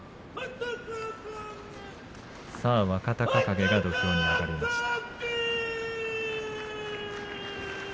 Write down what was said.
若隆景が土俵に上がりました。